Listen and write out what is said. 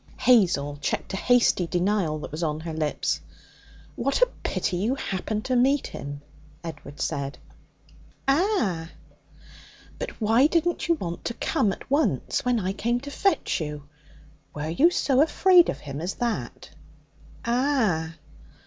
Hazel checked a hasty denial that was on her lips. 'What a pity you happened to meet him!' Edward said. 'Ah!' 'But why didn't you want to come at once when I came to fetch you? Were you so afraid of him as that?' 'Ah!'